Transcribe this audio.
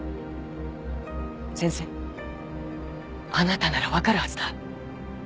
先生あなたなら分かるはずだ。